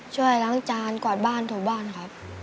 ช่วยล้างจานกวาดบ้านถูบ้านครับ